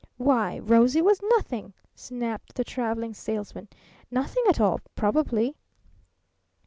"Why, Rosie was nothing!" snapped the Traveling Salesman; "nothing at all probably."